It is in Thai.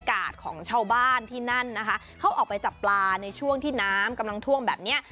ของชาวบ้านที่นั่นนะคะเขาออกไปจับปลาในช่วงที่น้ำกำลังท่วมแบบเนี้ย